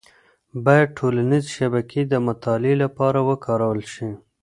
باید ټولنیز شبکې د مطالعې لپاره وکارول شي.